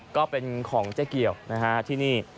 ก็เป็นของเจ๊เกียวนะฮะที่นี่